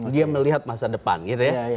dia melihat masa depan gitu ya